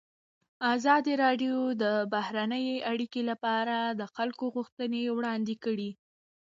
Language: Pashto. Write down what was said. ازادي راډیو د بهرنۍ اړیکې لپاره د خلکو غوښتنې وړاندې کړي.